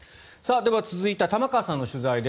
では、続いては玉川さんの取材です。